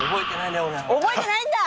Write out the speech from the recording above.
覚えてないんだ！